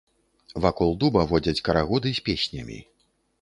Вакол дуба водзяць карагоды з песнямі.